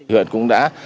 huyện cũng đã